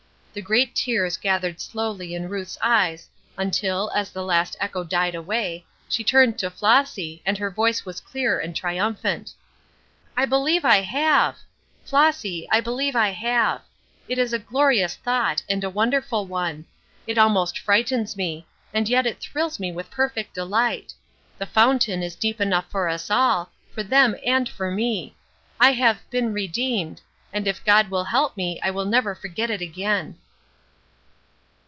The great tears gathered slowly in Ruth's eyes, until, as the last echo died away, she turned to Flossy, and her voice was clear and triumphant: "I believe I have. Flossy, I believe I have. It is a glorious thought, and a wonderful one. It almost frightens me. And yet it thrills me with perfect delight. The fountain is deep enough for us all for them and for me. I have 'been redeemed,' and if God will help me I will never forget it again."